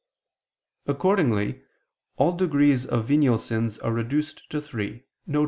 Accordingly all degrees of venial sins are reduced to three, viz.